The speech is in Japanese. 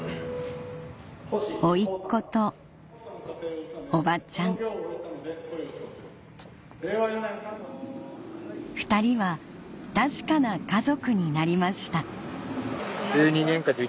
甥っ子とおばちゃん２人は確かな家族になりました